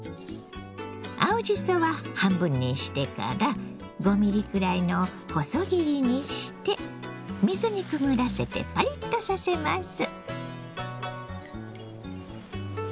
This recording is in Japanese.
青じそは半分にしてから５ミリくらいの細切りにして水にくぐらせてパリッとさせます。